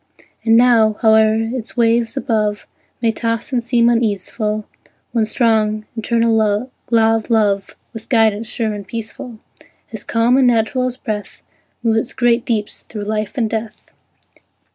And now, howe'er its waves above May toss and seem uneaseful, One strong, eternal law of Love, With guidance sure and peaceful, As calm and natural as breath, Moves its great deeps through life and death.